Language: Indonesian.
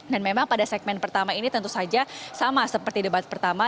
dan memang pada segmen pertama ini tentu saja sama seperti debat pertama